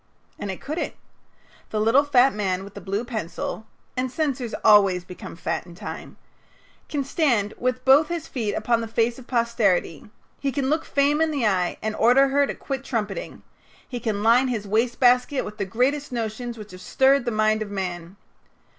And it couldn't. The little fat man with the blue pencil and censors always become fat in time can stand with both his feet upon the face of posterity; he can look Fame in the eye and order her to quit trumpeting; he can line his wastebasket with the greatest notions which have stirred the mind of man.